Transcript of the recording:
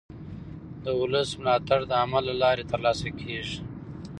د ولس ملاتړ د عمل له لارې ترلاسه کېږي